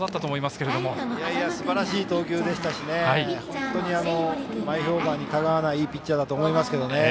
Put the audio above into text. すばらしい投球でしたし本当に前評判に違わないいいピッチャーだったと思います。